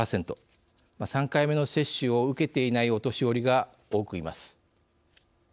３回目の接種を受けていないお年寄りが多くいます。